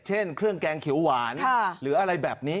เช่นเครื่องแกงเขียวหวานหรืออะไรแบบนี้